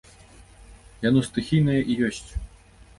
Яно стыхійнае і ёсць.